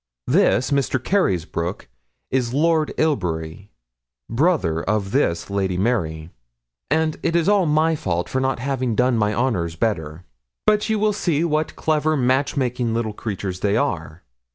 This Mr. Carysbroke is Lord Ilbury, brother of this Lady Mary; and it is all my fault for not having done my honours better; but you see what clever match making little creatures they are.'